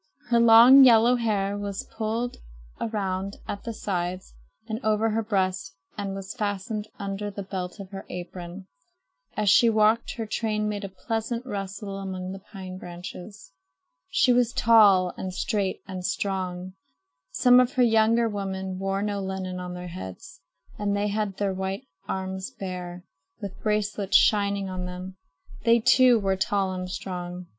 Her long yellow hair was pulled around at the sides and over her breast and was fastened under the belt of her apron. As she walked, her train made a pleasant rustle among the pine branches. She was tall and straight and strong. Some of her younger women wore no linen on their heads and had their white arms bare, with bracelets shining on them. They, too, were tall and strong.